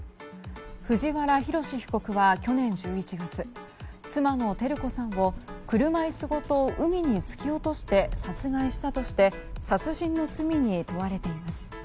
藤原宏被告は去年１１月妻の照子さんを車椅子ごと海に突き落として殺害したとして殺人の罪に問われています。